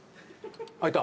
開いた？